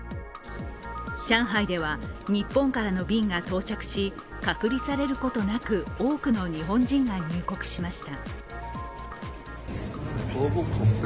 上海では、日本からの便が到着し隔離されることなく多くの日本人が入国しました。